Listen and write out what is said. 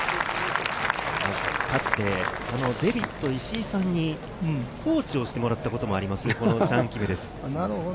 かつてデビッド・イシイさんにコーチをしてもらったこともありますとチャン・キムです。